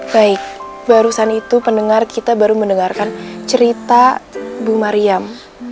baik barusan itu pendengar kita baru mendengarkan cerita bu mariam